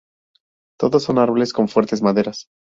Todos son árboles con fuertes maderas.